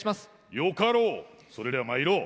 よかろうそれではまいろう。